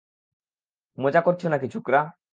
মজা করছো নাকি, ছোকরা?